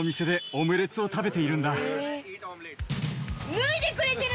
脱いでくれてる！